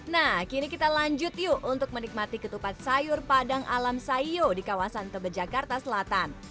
nah kini kita lanjut yuk untuk menikmati ketupat sayur padang alam sayur di kawasan tebe jakarta selatan